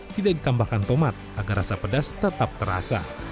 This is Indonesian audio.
tidak ditambahkan tomat agar rasa pedas tetap terasa